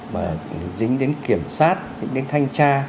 mà dính đến kiểm soát dính đến thanh tra